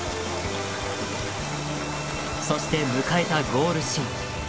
そして迎えたゴールシーン。